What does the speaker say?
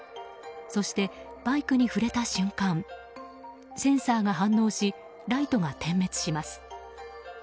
そして、バイクに触れた瞬間センサーが反応しライトが点滅します。